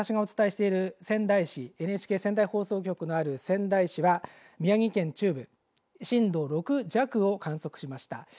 今、この私、お伝えしている仙台市ＮＨＫ仙台放送局のある仙台市は宮城県中部震度６弱を観測しました。